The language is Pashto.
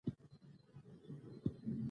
د باران کچه د اقلیم پر اساس توپیر لري.